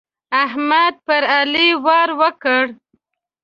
احمد پر علي وار وکړ.